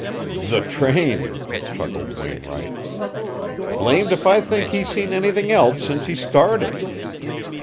"The train," chuckled Wainwright. "Blamed if I think he's seen anything else since he started."